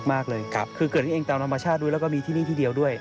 มากเลยครับคือเกิดนี้เองตามธรรมชาติด้วยแล้วก็มีที่นี่ที่เดียวด้วย